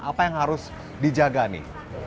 apa yang harus dijaga nih